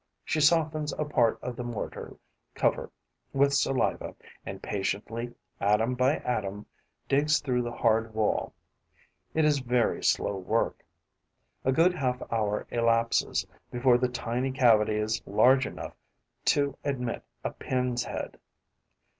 She softens a part of the mortar cover with saliva and patiently, atom by atom, digs through the hard wall. It is very slow work. A good half hour elapses before the tiny cavity is large enough to admit a pin's head.